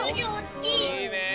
いいね！